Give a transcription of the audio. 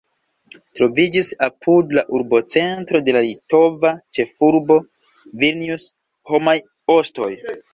Troviĝis apud la urbocentro de la litova ĉefurbo Vilnius homaj ostoj.